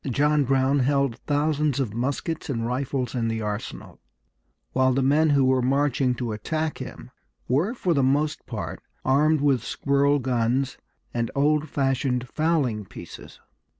John Brown held thousands of muskets and rifles in the arsenal, while the men who were marching to attack him were for the most part armed with squirrel guns and old fashioned fowling pieces.